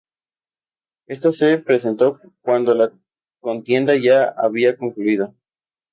Esta se presentó cuando la contienda ya había concluido.